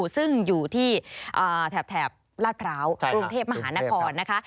ซึ่งอยู่ที่แถบลาดพร้าวกรุงเทพมหานครนะคะ